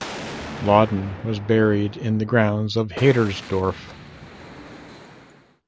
Laudon was buried in the grounds of Hadersdorf.